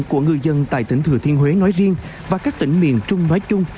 của ngư dân tại thỉnh thừa thiên huế nói riêng và các tỉnh miền trung nói chung